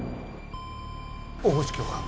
大河内教官